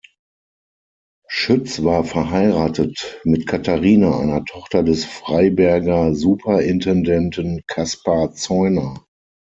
Schütz war verheiratet mit Katharina, einer Tochter des Freiberger Superintendenten Kaspar Zeuner.